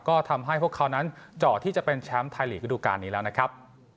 ก็ทำให้พวกเขานั้นเจาะที่จะเป็นแชมป์ไทยลีกฤดูการนี้แล้วนะครับ